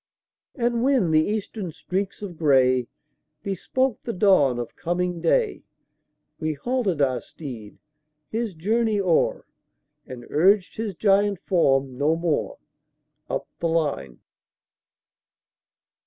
And when the Eastern streaks of gray Bespoke the dawn of coming day, We halted our steed, his journey o'er, And urged his giant form no more, Up the line.